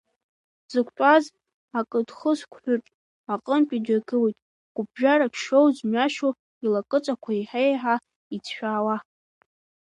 Дзықәтәаз ақыдхысҳәыҿ аҟынтәи дҩагылеит, гәыԥжәарак шиоуз мҩашьо илакыҵақәа еиҳа-еиҳа иҵшәаауа.